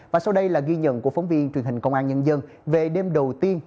và sau đây là ghi nhận của phóng viên truyền hình công an nhân dân về đêm đầu tiên